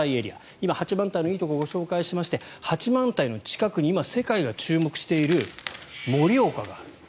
今、八幡平のいいところご紹介しまして八幡平の近くに今、世界が注目している盛岡がある。